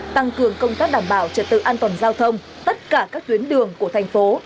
tăng cường công tác đảm bảo trật tự an toàn giao thông tất cả các tuyến đường của thành phố